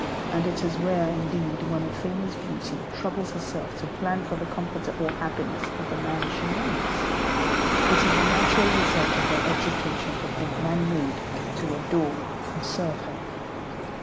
And it is rare indeed when a famous beauty troubles herself to plan for the comfort or happiness of the man she marries. It is the natural result of her education to think man made to adore and serve her.